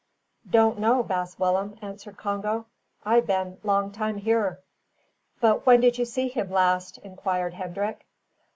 "Don't know, Baas Willem," answered Congo. "I been long time here." "But when did you see him last?" inquired Hendrik.